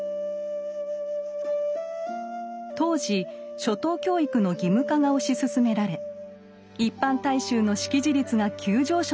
当時初等教育の義務化が推し進められ一般大衆の識字率が急上昇したイギリス。